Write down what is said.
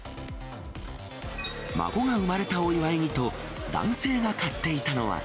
孫が産まれたお祝いにと、男性が買っていたのは。